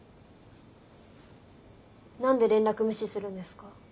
何で連絡無視するんですか？